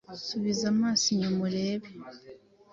Subiza amaso inyuma urebe